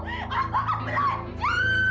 aku akan belanja